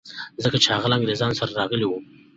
ځکه چي هغه له انګریزانو سره راغلی و.